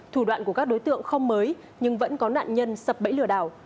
thủ đoạn của các đối tượng không mới nhưng vẫn có nạn nhân sập bẫy lừa đảo